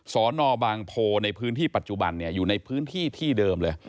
สอนอบางโพในพื้นที่ปัจจุบันอยู่ในพื้นที่ที่เดิมเลย